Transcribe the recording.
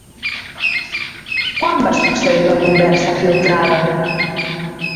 Quan va succeir la conversa filtrada?